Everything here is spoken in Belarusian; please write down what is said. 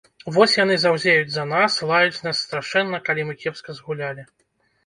Вось яны заўзеюць за нас, лаюць нас страшэнна, калі мы кепска згулялі.